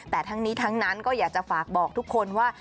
แต่ทั้งนี้ทั้งนั้นก็อยากจะฝากบอกทุกคนว่า